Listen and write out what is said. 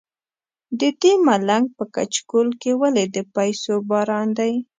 ددې ملنګ په کچکول ولې د پیسو باران دی.